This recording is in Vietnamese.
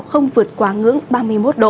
không vượt quá ngưỡng ba mươi một độ